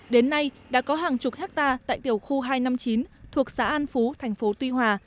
đến nay đã có hàng chục hectare tại tiểu khu hai trăm năm mươi chín thuộc xã an phú thành phố tuy hòa